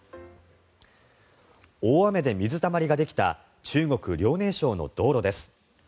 大雨で水たまりができた中国・遼寧省の道路です。